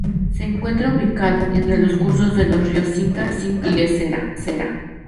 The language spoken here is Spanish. Se encuentra ubicado entre los cursos de los ríos Cinca y Ésera.